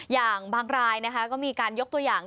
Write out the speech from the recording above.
อย่างบางรายก็มีการยกตัวอย่าง